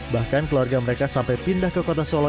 bahkan keluarga mereka sampai pindah ke kota solo